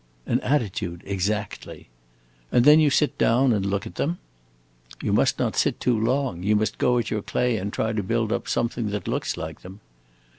"An attitude, exactly." "And then you sit down and look at them." "You must not sit too long. You must go at your clay and try to build up something that looks like them."